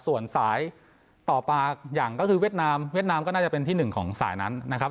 ส่วนสายต่อปากอย่างก็คือเวียดนามเวียดนามก็น่าจะเป็นที่หนึ่งของสายนั้นนะครับ